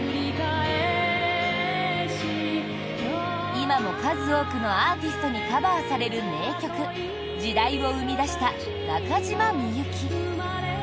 今も数多くのアーティストにカバーされる名曲「時代」を生み出した中島みゆき。